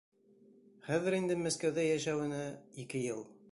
Хәҙер инде Мәскәүҙә йәшәүенә — ике йыл.